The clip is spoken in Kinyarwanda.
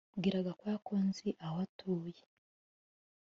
Bwira Gakwaya ko nzi aho atuye